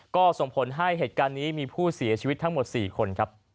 ก็ส่งผลให้เหตุการณ์นี้มีผู้เสียชีวิตทั้งหมด๔คนครับ